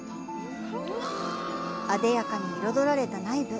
艶やかに彩られた内部。